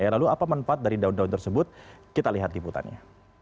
lalu apa manfaat dari daun daun tersebut kita lihat liputannya